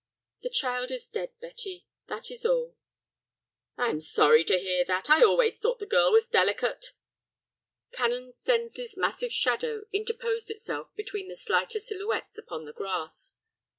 "The child is dead, Betty, that is all." "I'm sorry to hear that. I always thought the girl was delicate." Canon Stensly's massive shadow interposed itself between the slighter silhouettes upon the grass.